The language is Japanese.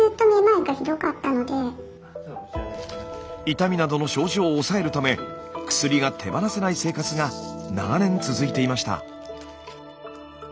痛みなどの症状を抑えるため薬が手放せない生活が長年続いていました。